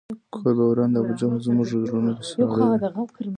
کور به وران د ابوجهل زموږ زړونه په ساړه وي